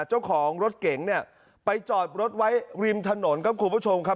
เจ้าของรถเก๋งเนี่ยไปจอดรถไว้ริมถนนครับคุณผู้ชมครับ